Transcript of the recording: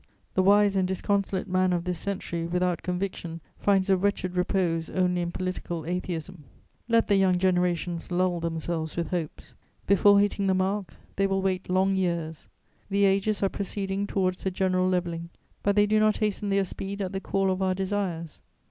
The wise and disconsolate man of this century without conviction finds a wretched repose only in political atheism. Let the young generations lull themselves with hopes: before hitting the mark, they will wait long years; the ages are proceeding towards the general levelling, but they do not hasten their speed at the call of our desires.